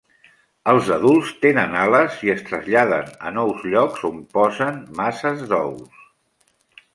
Els adults tenen ales i es traslladen a nous llocs on posen masses d'ous.